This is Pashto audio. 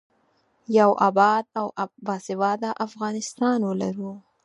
یو اباد او باسواده افغانستان ولرو.